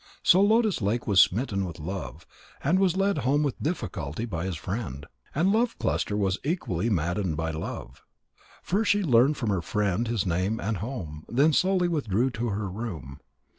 So Lotus lake was smitten with love, and was led home with difficulty by his friend. And Love cluster was equally maddened by love. First she learned from her friend his name and home, then slowly withdrew to her room.